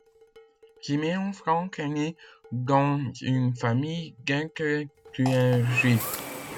Siméon Frank est né dans une famille d’intellectuels juifs.